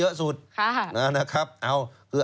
เหล้าขาวนี้ขึ้นเยอะสุด